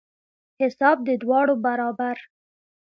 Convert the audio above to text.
حساب د دواړو برابر.